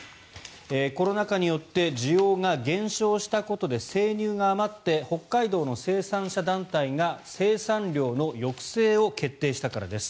コロナ禍によって需要が減少したことで生乳が余って北海道の生産者団体が生産量の抑制を決定したからです。